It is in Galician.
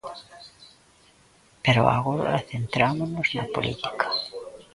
Pero agora centrámonos na política.